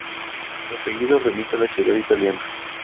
Su apellido remite a la ciudad italiana.